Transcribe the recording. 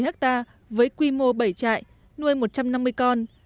hai mươi hectare với quy mô bảy trại nuôi một trăm năm mươi con